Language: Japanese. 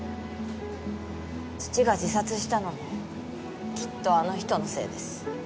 父が自殺したのもきっとあの人のせいです。